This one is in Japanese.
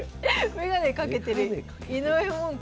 眼鏡かけてる井上門下。